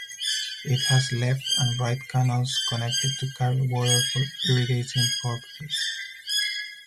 It has left and right canals connected to carry water for irrigation purposes.